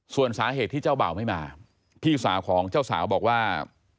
ส่วนสาเหตุที่เจ้าบ่าวไม่มาพี่สาวของเจ้าสาวบอกว่า